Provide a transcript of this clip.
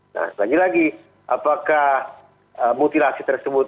nah lagi lagi apakah mutilasi tersebut